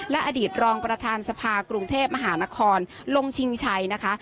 และอดีตรองประธานสภากรุงเทพมหานครลงชิงชัยนะคะ